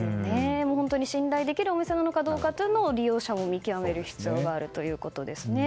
信頼できるお店なのかどうかを利用者も見極める必要があるということですね。